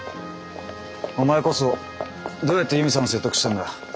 お前こそどうやって悠美さんを説得したんだ？